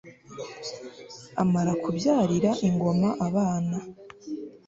amara kubyarira ingoma abana